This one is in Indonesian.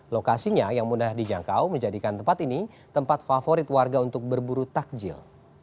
lokasinya yang mudah dijangkau menjadikan tempat ini tempat favorit warga untuk berburu takjil